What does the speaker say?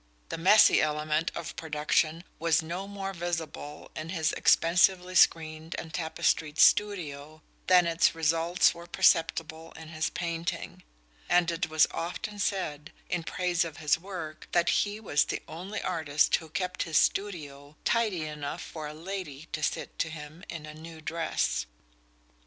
The "messy" element of production was no more visible in his expensively screened and tapestried studio than its results were perceptible in his painting; and it was often said, in praise of his work, that he was the only artist who kept his studio tidy enough for a lady to sit to him in a new dress.